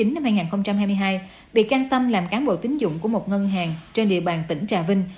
năm hai nghìn hai mươi hai bị can tâm làm cán bộ tính dụng của một ngân hàng trên địa bàn tỉnh trà vinh